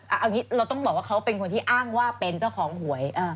เอาอย่างนี้เราต้องบอกว่าเขาเป็นคนที่อ้างว่าเป็นเจ้าของหวย